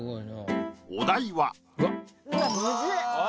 お題は。